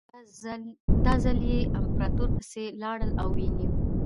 دا ځل یې امپراتور پسې لاړل او ونیو یې.